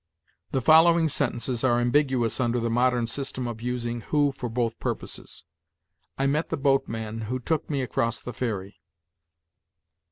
"The following sentences are ambiguous under the modern system of using 'who' for both purposes: 'I met the boatman who took me across the ferry.'